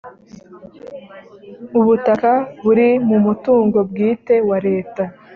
ubutaka buri mu mutungo bwite wa leta